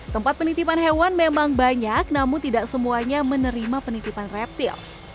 tempat penitipan hewan memang banyak namun tidak semuanya menerima penitipan reptil